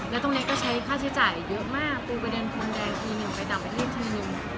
แล้วตรงนี้ก็ใช้ค่าใช้จ่ายเยอะมากปูประเด็นพรมแดงทีหนึ่งไปต่างประเทศทีนึง